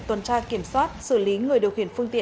tuần tra kiểm soát xử lý người điều khiển phương tiện